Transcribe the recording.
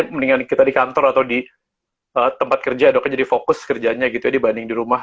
mendingan kita di kantor atau di tempat kerja dokter jadi fokus kerjanya gitu ya dibanding di rumah